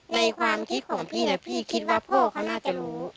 ในความคิดของพี่นะพี่คิดว่าพ่อเขาน่าจะรู้